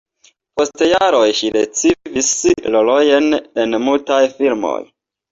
Post jaroj ŝi ricevis rolojn en mutaj filmoj.